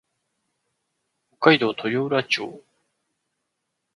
北海道豊浦町